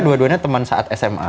dua duanya teman saat sma